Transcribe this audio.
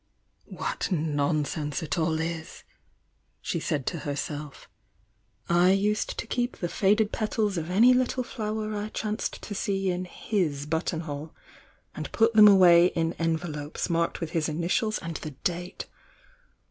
"What nonsense it all is!" she said to herself. "I usei to keep the faded petals of any little flower I chanced to see in hit buttonhole, and put them away in envelopes marked with his initials and the date!